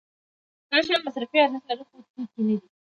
دا شیان مصرفي ارزښت لري خو توکي نه دي.